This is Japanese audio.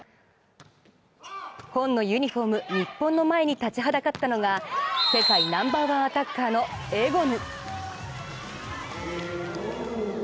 紺のユニフォーム、日本の前に立ちはだかったのが世界ナンバーワンアタッカーのエゴヌ。